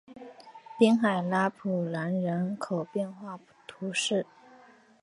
滨海拉普兰人口变化图示